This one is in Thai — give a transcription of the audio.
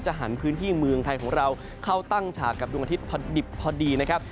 หันพื้นที่เมืองไทยของเราเข้าตั้งฉากกับดวงอาทิตย์พอดิบพอดีนะครับ